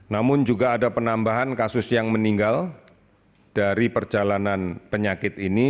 namun juga ada penambahan kasus yang meninggal dari perjalanan penyakit ini